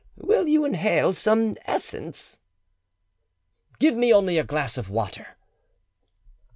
Will you inhale some essence?" "Give me only a glass of water."